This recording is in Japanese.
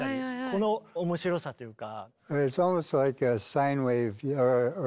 この面白さというか。